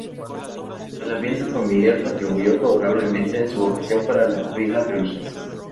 El ambiente familiar contribuyó favorablemente en su vocación para la vida religiosa.